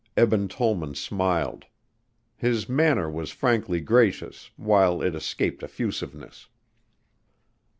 Eben Tollman smiled. His manner was frankly gracious, while it escaped effusiveness.